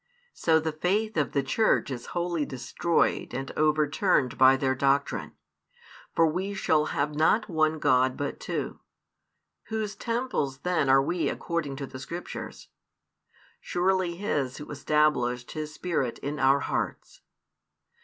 So the faith of the Church is wholly destroyed and overturned by their doctrine, for we shall have not one God but two. Whose temples then are we according to the Scriptures? Surely His Who established His Spirit in our hearts.